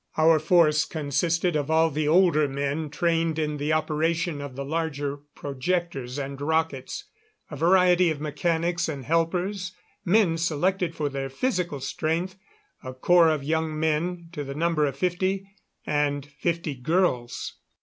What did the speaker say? Our force consisted of all the older men trained in the operation of the larger projectors and rockets; a variety of mechanics and helpers, men selected for their physical strength; a corps of young men to the number of fifty, and fifty girls.